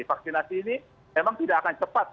vaksinasi ini memang tidak akan cepat